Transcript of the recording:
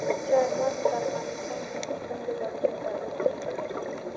چار مغز د افغانستان د موسم د بدلون سبب کېږي.